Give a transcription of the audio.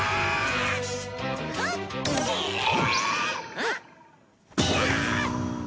あっ！